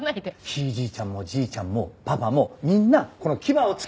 ひいじいちゃんもじいちゃんもパパもみんなこの牙をつけて。